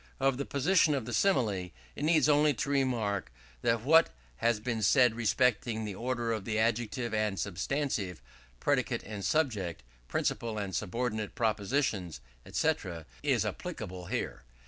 Of the position of the Simile, it needs only to remark, that what has been said respecting the order of the adjective and substantive, predicate and subject, principal and subordinate propositions, &c., is applicable here.